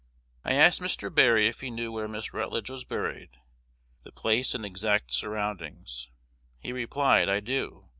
"I asked Mr. Berry if he knew where Miss Rutledge was buried, the place and exact surroundings. He replied, 'I do.